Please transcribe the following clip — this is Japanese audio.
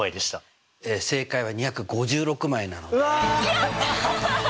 やった！